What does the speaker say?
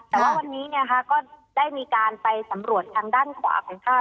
แต่ว่าวันนี้ก็ได้มีการไปสำรวจทางด้านขวาของท่า